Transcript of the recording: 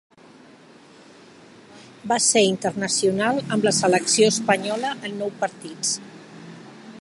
Va ser internacional amb la selecció espanyola en nou partits.